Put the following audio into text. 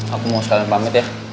aku mau sekali pamit ya